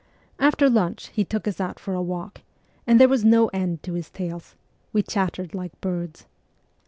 After lunch he took us out for a walk, and there was no end to his tales : we chattered like birds.